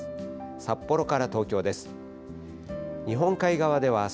札幌から東京です。